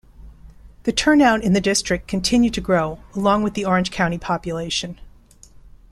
The turnout in the district continued to grow along with the Orange County population.